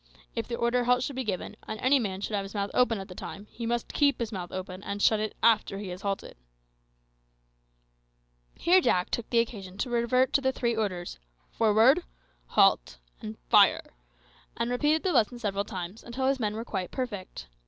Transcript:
If the order `Halt' should be given, and any man should have his mouth open at the time, he must keep his mouth open, and shut it after he has halted." Here Jack took occasion to revert to the three orders, "Forward," "Halt," and "Fire," and repeated the lesson several times, until his men were quite perfect.